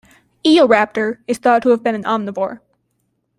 "Eoraptor" is thought to have been an omnivore.